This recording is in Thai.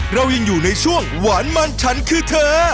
เรายังอยู่ในช่วงหวานมันฉันคือเธอ